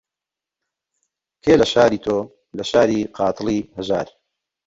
کێ لە شاری تۆ، لە شاری قاتڵی هەژار